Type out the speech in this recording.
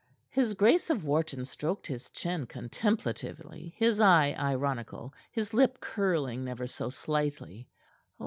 His Grace of Wharton stroked his chin contemplatively, his eye ironical, his lip curling never so slightly.